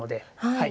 はい。